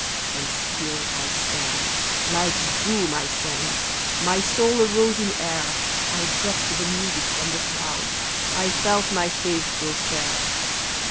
And still I sang ; like doom I sang ; My soul arose in air ; I dropped the music from the clouds ; I felt my face grow fair.